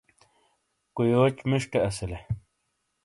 کویوچ مشیٹے اسیلے